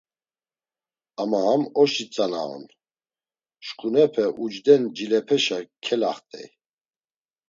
Ama ham oşi tzana on, şǩunepe ucden cilepeşa kelaxt̆ey.